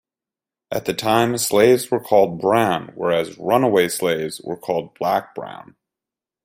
At the time, slaves were called "brown", whereas runaway slaves were called "black-brown".